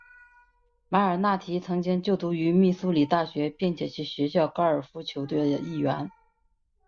马尔纳提曾经就读于密苏里大学并且是学校高尔夫球队的一员。